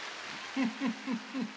フフフフフ。